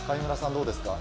どうですか？